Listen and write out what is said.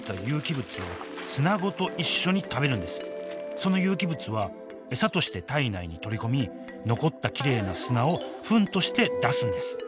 その有機物は餌として体内に取り込み残ったきれいな砂をフンとして出すんです。